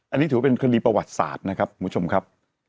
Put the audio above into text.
อันนี้ถือว่าเป็นคดีประวัติศาสตร์นะครับคุณผู้ชมครับ